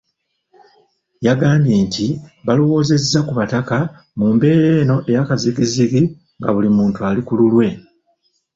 Yagambye nti balowoozezza ku Bataka mu mbeera eno eyakazigizigi nga buli muntu ali kululwe.